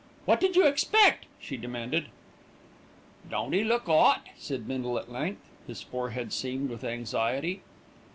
"What did you expect?" she demanded. "Don't 'e look 'ot?" said Bindle at length, his forehead seamed with anxiety.